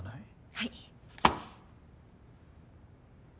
はい。